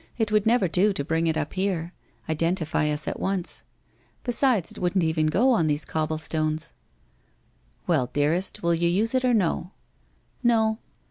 ' It would never do to bring it up here — identify us at once. Besides it wouldn't even go on these cobble stones/ ' Well, dearest, will you use it or no ?' 'No.'